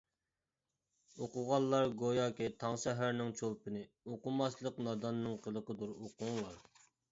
ئوقۇغانلار گوياكى تاڭ سەھەرنىڭ چولپىنى، ئوقۇماسلىق ناداننىڭ قىلىقىدۇر، ئوقۇڭلار.